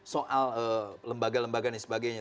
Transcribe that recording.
soal lembaga lembaga dan sebagainya